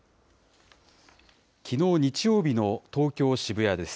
きのう日曜日の東京・渋谷です。